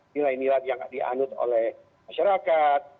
nilai nilai yang dianut oleh masyarakat